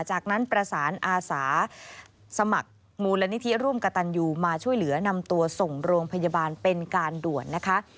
จากนั้นประสานอาสาสมัครมูลนิธิร่วมกระตันยูมาช่วยเหลือนำตัวส่งโรงพยาบาลเป็นการด่วนนะคะ